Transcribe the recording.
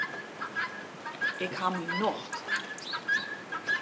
Ik ha myn nocht.